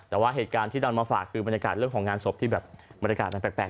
แต่ว่าเหตุการณ์ที่นำมาฝากคือบรรยากาศเรื่องของงานศพที่แบบบรรยากาศมันแปลก